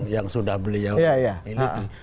yang sudah beliau miliki